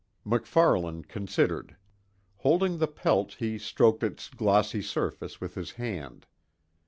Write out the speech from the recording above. MacFarlane considered. Holding the pelt he stroked its glossy surface with his hand.